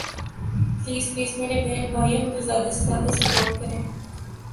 please please میرے بہن بھائیوں مجھے زیادہ سے زیادہ سپورٹ کریں